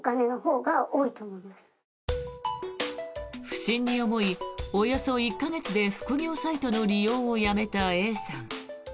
不審に思い、およそ１か月で副業サイトの利用をやめたＡさん。